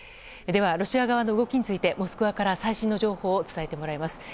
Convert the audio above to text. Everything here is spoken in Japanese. では、ロシア側の動きについてモスクワから最新の情報を伝えてもらいます。